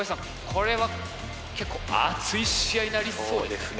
これは結構熱い試合になりそうですね。